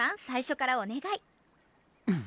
最初からお願い。